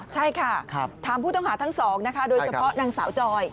ใช่ค่ะถามผู้ต้องหาทั้งสองนะคะโดยเฉพาะนางสาวจอย